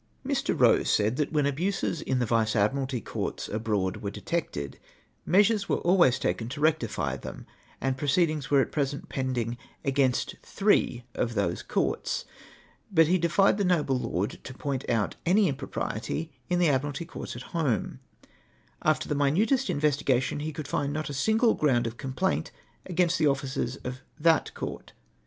0 194 MY RErLY. "Mr. Eose said that when abuses in the Vice AdmiraUy Courts a])road were detected, measures were always taken to rectify them, and proceedings were at present pending against three of those courts. But he defied the noble lord to point out any impropriety in the Admiralty Courts at home. After the minutest investigation, he could not find a single ground of complaint against the officers of that Court.